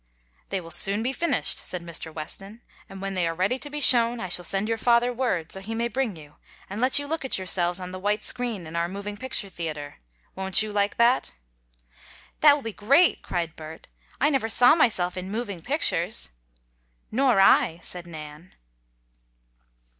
"They will soon be finished," said Mr. Weston. "And when they are ready to be shown, I shall send your father word, so he may bring you, and let you look at yourselves on the white screen in our moving picture theatre. Won't you like that?" "That will be great!" cried Bert. "I never saw myself in moving pictures." "Nor I," said Nan.